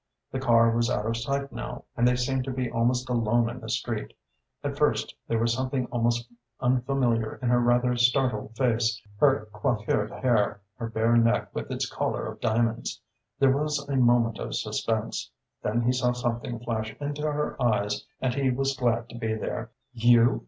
The car was out of sight now and they seemed to be almost alone in the street. At first there was something almost unfamiliar in her rather startled face, her coiffured hair, her bare neck with its collar of diamonds. There was a moment of suspense. Then he saw something flash into her eyes and he was glad to be there. "You?"